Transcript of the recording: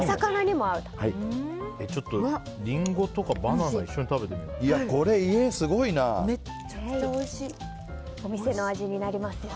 ちょっとリンゴとかバナナも一緒に食べてみよう。